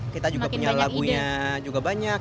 kita juga punya lagunya juga banyak